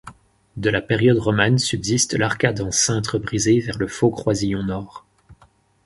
De la période romane, subsiste l'arcade en cintre brisé vers le faux croisillon nord.